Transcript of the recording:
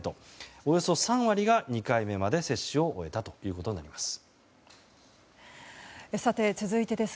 およそ３割が２回目まで接種を終えたということになります。